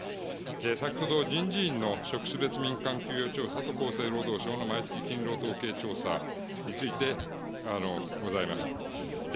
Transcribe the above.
先ほど、人事院の職種別と厚生労働省の毎月勤労統計調査についてございました。